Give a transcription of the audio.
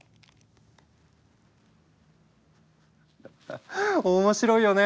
ハッハ面白いよね。